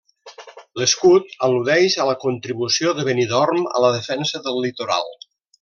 L'escut al·ludeix a la contribució de Benidorm a la defensa del litoral.